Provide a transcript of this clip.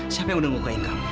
siapa yang udah mukain kamu